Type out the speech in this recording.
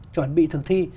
chuẩn bị thực thi